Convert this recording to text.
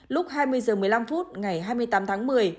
lúc hai mươi h một mươi năm phút ngày hai mươi tám tháng một mươi